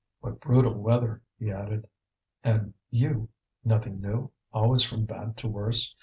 "What brutal weather!" he added. "And you nothing new, always from bad to worse?